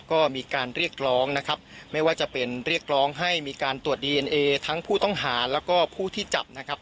ก็มีการเรียกร้องนะครับไม่ว่าจะเป็นเรียกร้องให้มีการตรวจดีเอ็นเอทั้งผู้ต้องหาแล้วก็ผู้ที่จับนะครับ